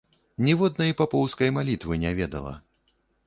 Ніводнай папоўскай малітвы не ведала.